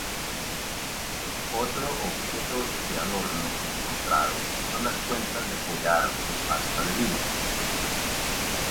Otro objeto de adorno encontrado son las cuentas de collar de pasta de vidrio.